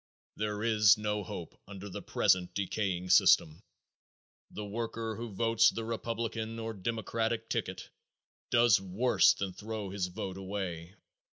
There is no hope under the present decaying system. The worker who votes the Republican or Democratic ticket does worse than throw his vote away.